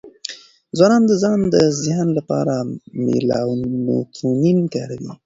ځوانان د ځان د زیان لپاره میلاټونین کاروي.